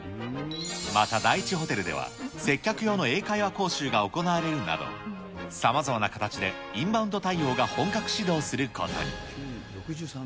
また、第一ホテルでは、接客用の英会話講習が行われるなど、さまざまな形でインバウンド対応が本格始動することに。